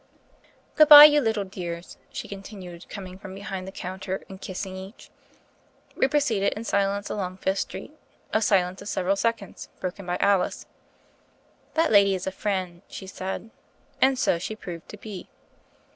"Good bye, you little dears," she continued, coming from behind the counter, and kissing each. We proceeded in silence along Fifth St. — a silence of several seconds, broken by Alice. "That lady is a friend," she said. And so she proved to be.